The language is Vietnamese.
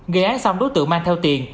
gây án xong đối tượng mang theo tiền